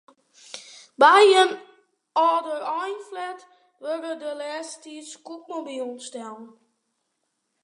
By in âldereinflat wurde de lêste tiid scootmobilen stellen.